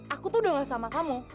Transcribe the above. aku tuh udah nggak sama kamu